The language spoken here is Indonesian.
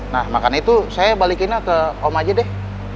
nah makanya itu saya balikinnya ke om aja deh